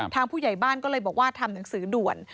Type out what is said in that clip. ผู้ใหญ่บ้านก็เลยบอกว่าทำหนังสือด่วน